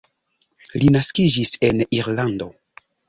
Li naskiĝis en Irlando.